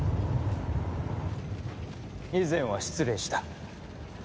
以前は失礼した。